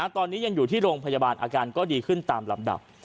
ตอนนี้ยังอยู่ที่โรงพยาบาลอาการก็ดีขึ้นตามลำดับ